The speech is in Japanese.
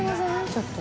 ちょっと。